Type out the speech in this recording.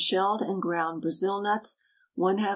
shelled and ground Brazil nuts, 1/2 lb.